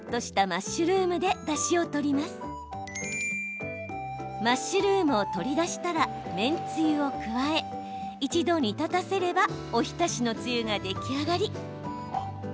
マッシュルームを取り出したら麺つゆを加え一度、煮立たせればお浸しのつゆが出来上がり。